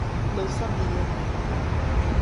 Não sabia.